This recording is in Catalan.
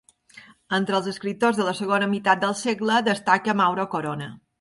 Entre els escriptors de la segona meitat del segle, destaca Mauro Corona.